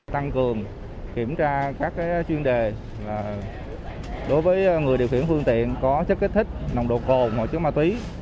tăng cường kiểm tra các chuyên đề đối với người điều khiển phương tiện có chất kích thích nồng độ cồn và chất ma túy